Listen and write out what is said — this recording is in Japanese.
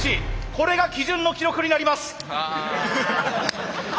これが基準の記録になります。